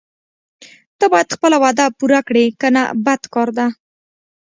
ته باید خپله وعده پوره کړې کنه بد کار ده.